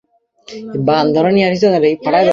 পরিবার নিয়ে আসবি নাকি?